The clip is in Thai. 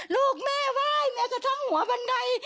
ลูกแม่ว่ายแม่จักท่องหัวบันได